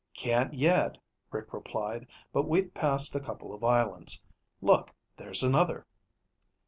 "Can't yet," Rick replied. "But we've passed a couple of islands. Look, there's another."